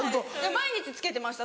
毎日つけてました